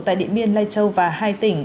tại địa biên lai châu và hai tỉnh